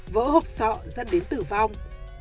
vỡ hộp sọ dẫn đến tử vong